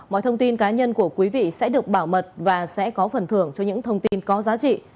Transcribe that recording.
mọi thông tin cá nhân của quý vị sẽ được bảo mật và sẽ có phần thưởng cho những thông tin có giá trị